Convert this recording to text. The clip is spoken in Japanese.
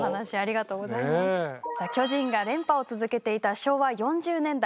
さあ巨人が連覇を続けていた昭和４０年代。